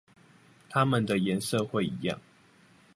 它們的顏色會一樣